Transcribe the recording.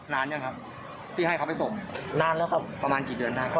นานแล้วครับพี่ให้เขาไปปร่งประมาณกี่เดือนได้ครับ